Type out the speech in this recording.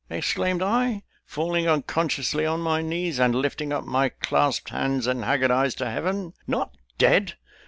exclaimed I (falling unconsciously on my knees, and lifting up my clasped hands and haggard eyes to Heaven): "not dead!